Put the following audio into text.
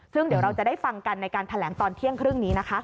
ซึ่งเดี๋ยวเราจะได้ฟังกันในการแถลงตอนเที่ยงครึ่งนี้นะคะ